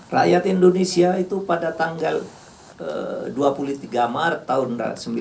rakyat indonesia itu pada tanggal dua puluh tiga maret tahun sembilan belas